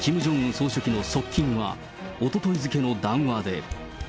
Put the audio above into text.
総書記の側近は、おととい付けの談話で。